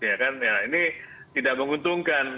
ya kan ini tidak menguntungkan